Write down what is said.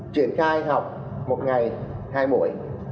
truyền khai học một ngày hai mũi